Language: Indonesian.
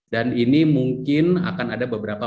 dan ini mungkin akan ada beberapa